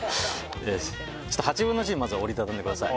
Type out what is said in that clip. ８分の１にまずは折り畳んでください。